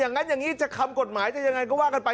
อย่างนั้นอย่างนี้จะคำกฎหมายจะยังไงก็ว่ากันไป